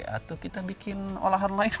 atau kita bikin olahan lain